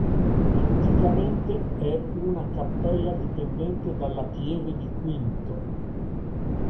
Anticamente è una cappella dipendente dalla pieve di Quinto.